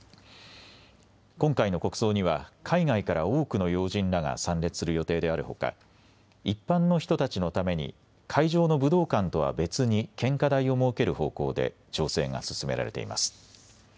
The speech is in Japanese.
今回の国葬には、海外から多くの要人らが参列する予定であるほか、一般の人たちのために、会場の武道館とは別に献花台を設ける方向で調整が進められています。